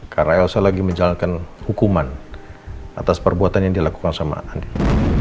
karena elsa lagi menjalankan hukuman atas perbuatan yang dilakukan sama andin